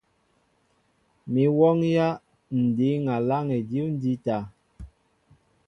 Mi m̀wɔ́ŋyā Ǹ dǐŋ aláŋ edíw ǹjíta.